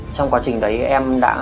trong quá trình đấy em đã